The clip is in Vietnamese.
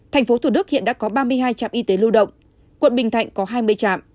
thành phố thủ đức hiện đã có ba mươi hai trạm y tế lưu động quận bình thạnh có hai mươi trạm